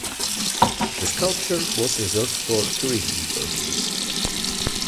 The sculpture was reserved for tourism purposes.